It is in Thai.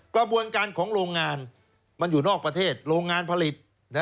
กระบวนการของโรงงานมันอยู่นอกประเทศโรงงานผลิต